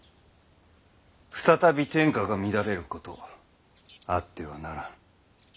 再び天下が乱れることあってはならん。